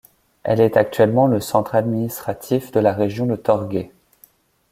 Elle est actuellement le centre administratif de la région de Torgay.